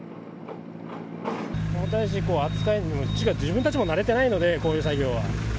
重たいし、扱いも、自分たちも慣れてないので、こういう作業は。